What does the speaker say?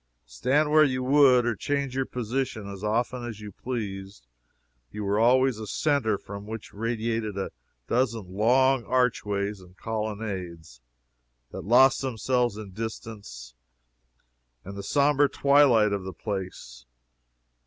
Stand where you would, or change your position as often as you pleased, you were always a centre from which radiated a dozen long archways and colonnades that lost themselves in distance and the sombre twilight of the place.